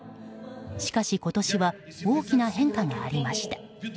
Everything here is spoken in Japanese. しかし今年は大きな変化がありました。